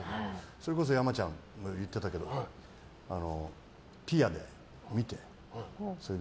それこそ山ちゃんも言ってたけどぴあで見て。